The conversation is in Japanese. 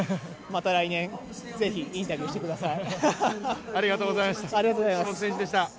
また来年、ぜひインタビューしてください。